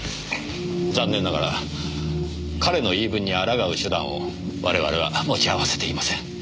残念ながら彼の言い分にあらがう手段を我々は持ち合わせていません。